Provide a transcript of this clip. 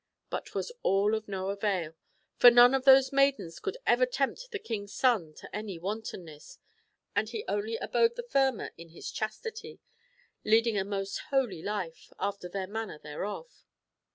But 'twas all of no avail, for none of those maidens could ever tempt the king's son to any wantonness, and he only abode the firmer in his chastity, leading a most holy life, after their manner thereof.